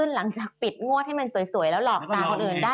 หลังจากปิดงวดให้มันสวยแล้วหลอกตาคนอื่นได้